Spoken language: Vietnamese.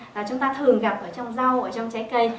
là chúng ta thường gặp ở trong rau ở trong trái cây